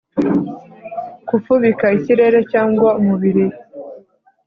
kufubika ikirere cyangwa umubiri